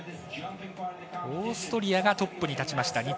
オーストリアがトップに立ちました。